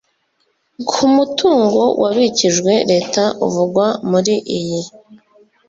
k umutungo wabikijwe Leta uvugwa muri iyi